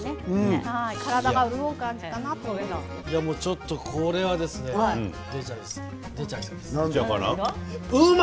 ちょっと、これは出ちゃいそうです。